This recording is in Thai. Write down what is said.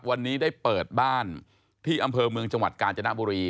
วันนี้ได้เปิดบ้านที่อำเภอเมืองจังหวัดกาญจนบุรี